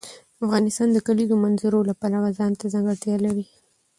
افغانستان د د کلیزو منظره د پلوه ځانته ځانګړتیا لري.